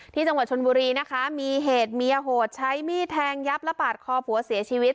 ที่จังหวัดชนบุรีนะคะมีเหตุเมียโหดใช้มีดแทงยับและปาดคอผัวเสียชีวิต